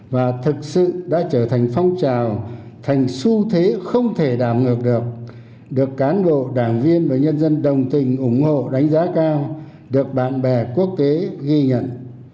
và thực sự đã trở thành phong trào thành xu thế không thể đảo ngược được được cán bộ đảng viên và nhân dân đồng tình ủng hộ đánh giá cao được bạn bè quốc tế ghi nhận